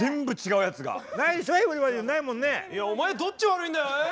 いやお前どっちが悪いんだよえ？